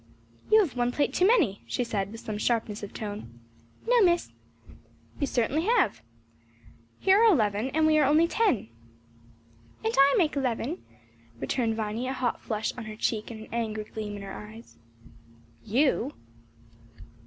"You have one plate too many," she said with some sharpness of tone. "No, Miss." "You certainly have. Here are eleven; and we are only ten." "And I make 'leven," returned Viny, a hot flush on her cheek and an angry gleam in her eyes. "You?"